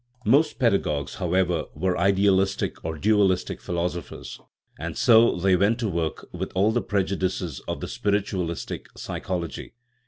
Most pedagogues, how ever, were idealistic or dualistic philosophers, and so they went to work with all the prejudices of the spir itualistic psychology.